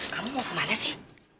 kamu mau ke mana sih